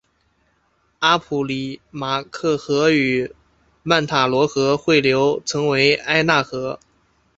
阿普里马克河与曼塔罗河汇流成为埃纳河。